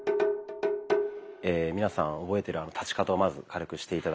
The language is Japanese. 皆さん覚えてるあの立ち方をまず軽くして頂きます。